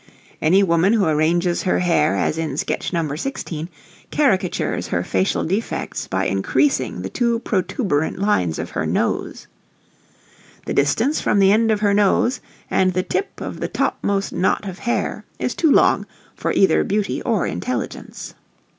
Any woman who arranges her hair as in sketch No. 16 caricatures her facial defects by increasing the too protuberant lines of her nose. The distance from the end of her nose and the tip of the topmost knot of hair is too long for either beauty or intelligence.